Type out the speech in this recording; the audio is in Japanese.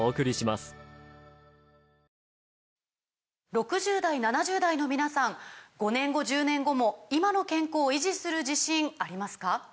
６０代７０代の皆さん５年後１０年後も今の健康維持する自信ありますか？